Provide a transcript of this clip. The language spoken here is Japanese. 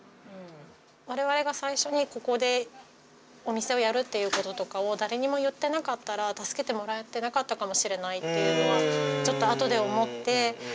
我々が最初にここでお店をやるっていうこととかを誰にも言ってなかったら助けてもらえてなかったかもしれないっていうのはちょっとあとで思って。